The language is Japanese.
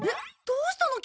どうしたの？